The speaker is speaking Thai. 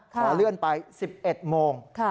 ขอเลื่อนไป๑๑โมง